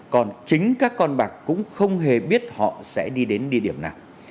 còn chính các con bạc cũng không hề biết họ sẽ đi đến địa điểm nào